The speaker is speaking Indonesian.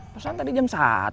pasangan tadi jam satu